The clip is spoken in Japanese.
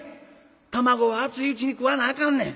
卵は熱いうちに食わなあかんねん。